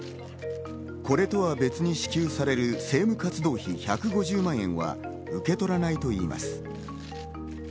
これとは別に支給される政務活動費１５０万円は受け取らないといいます。